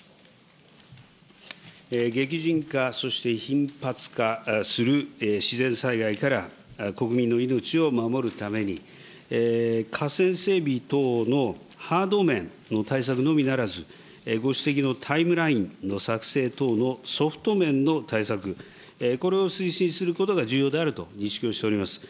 激甚化、そして頻発化する自然災害から国民の命を守るために、河川整備等のハード面の対策のみならず、ご指摘のタイムラインの作成等のソフト面の対策、これを推進することが重要であると認識をしております。